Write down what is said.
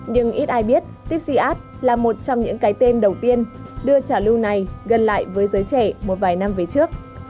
nhưng ít ai biết tipsiart là một trong những cái tên đầu tiên đưa trả lưu này gần lại với giới trẻ một vài năm về trước